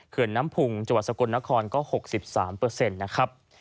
เขื่อนน้ำพุงจังหวัดสะกดนครก็๖๓เปอร์เซ็นต์นะครับ